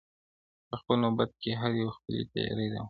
په خپل نوبت کي هر یوه خپلي تیارې راوړي-